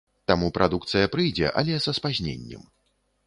Таму прадукцыя прыйдзе, але са спазненнем.